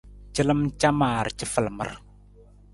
Calam camar cafalamar.